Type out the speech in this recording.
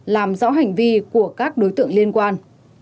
làm rõ hành vi của các đối tượng liên quan